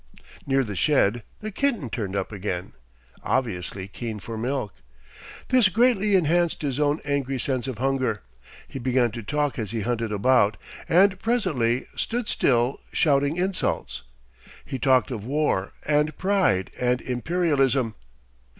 Near the shed the kitten turned up again, obviously keen for milk. This greatly enhanced his own angry sense of hunger. He began to talk as he hunted about, and presently stood still, shouting insults. He talked of war and pride and Imperialism.